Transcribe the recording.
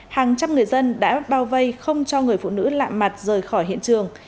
hàng trăm người dân đã bao vây không cho người phụ nữ lạ mặt rời khỏi hiện trường